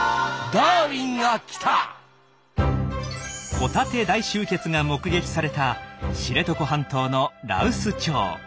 ホタテ大集結が目撃された知床半島の羅臼町。